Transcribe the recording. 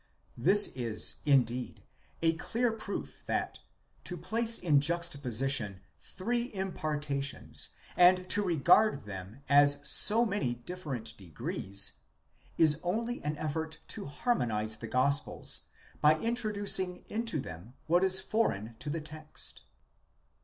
This is, indeed, a clear proof that, to place in juxtaposition three impartations and to regard them as so many different degrees, is only an effort to harmonize the gospels by introducing into them what is foreign to the text.